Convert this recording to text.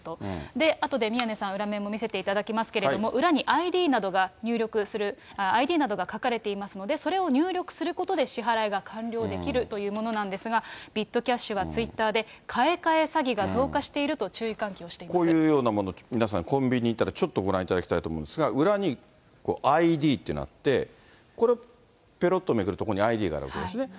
で、あとで宮根さん、裏面も見せていただきますけれども、裏にＩＤなどが入力するＩＤなどが書かれていますので、それを入力することで、支払いが完了できるというものなんですが、ビットキャッシュはツイッターで買え買え詐欺が増加していると、こういうようなもの、コンビニ行ったらちょっとご覧いただきたいと思うんですが、裏にＩＤっていうのがあって、これ、ぺろっとめくると、ここにＩＤがあるわけですね。